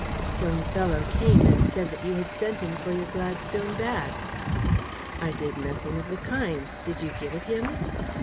"Some fellow came and said that you had sent him for your Gladstone bag." "I did nothing of the kind. Did you give it him?"